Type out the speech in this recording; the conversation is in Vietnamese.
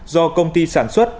do công ty sản xuất